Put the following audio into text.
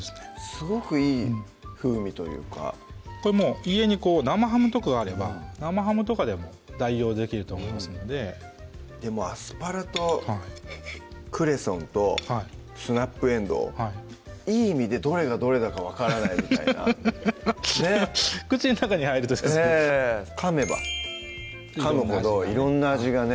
すごくいい風味というかこれ家に生ハムとかがあれば生ハムとかでも代用できると思いますのでアスパラとクレソンとスナップえんどういい意味でどれがどれだか分からないみたいなハハハハ口の中に入るとええかめばかむほど色んな味がね